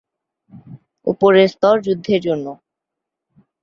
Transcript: ওপরের স্তর যুদ্ধের জন্য।